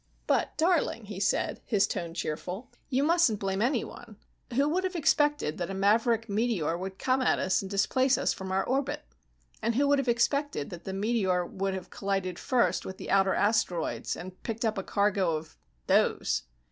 "But, darling," he said, his tone cheerful, "you mustn't blame anyone. Who would have expected that a maverick meteor would come at us and displace us from our orbit? And who would have expected that the meteor would have collided first with the outer asteroids, and picked up a cargo of those?"